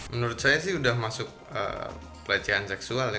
menurut saya sih sudah masuk pelecehan seksual ya